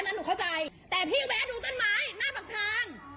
หนูเข้าใจแต่พี่แวะดูต้นไม้หน้าปากทาง